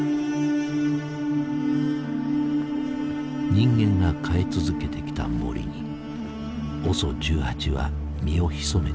人間が変え続けてきた森にＯＳＯ１８は身を潜めていた。